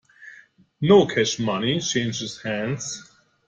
No cash money changes hands.